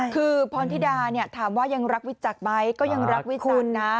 คือพรธิดาถามว่ายังรักวิจักรไหมก็ยังรักวิจักรคุณนะ